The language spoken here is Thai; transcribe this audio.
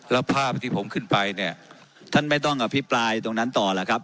แล้วภาพที่ผมขึ้นไปเนี่ยท่านไม่ต้องอภิปรายตรงนั้นต่อล่ะครับ